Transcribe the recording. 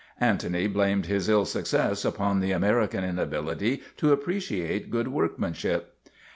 Antony blamed his ill success upon the American inability to appreciate good workmanship.